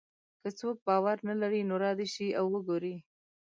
که څوک باور نه لري نو را دې شي او وګوري.